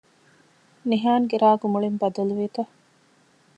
ނިހާންގެ ރާގު މުޅިން ބަދަލުވީތަ؟